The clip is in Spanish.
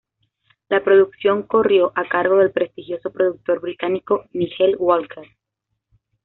La producción corrió a cargo del prestigioso productor británico Nigel Walker.